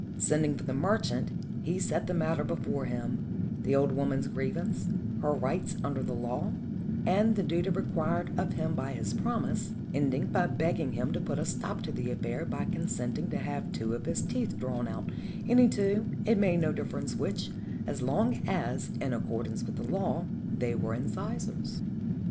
Sending for the merchant, he set the matter before him, the old woman's grievance, her rights under the law, and the duty required of him by his promise, ending by begging him to put a stop to the affair by consenting to have two of his teeth drawn, any two, it made no difference which, so long as, in accordance with the law, they were incisors.